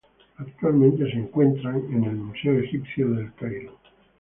Actualmente se encuentran el Museo Egipcio de El Cairo.